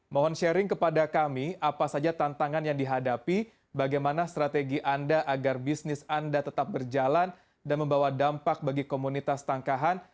mohon sharing kepada kami apa saja tantangan yang dihadapi bagaimana strategi anda agar bisnis anda tetap berjalan dan membawa dampak bagi komunitas tangkahan